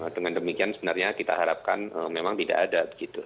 dengan demikian sebenarnya kita harapkan memang tidak ada